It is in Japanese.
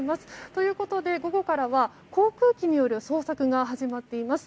ということで、午後からは航空機による捜索が始まっています。